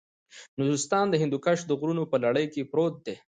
نورستان د هندوکش د غرونو په لړۍ کې پروت دی.